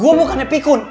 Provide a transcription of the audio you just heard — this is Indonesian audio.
gue bukannya pikun